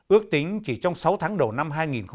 ước tính chỉ trong sáu tháng đầu năm hai nghìn một mươi chín